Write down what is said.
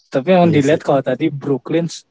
tapi emang dilihat kalau tadi brooklyn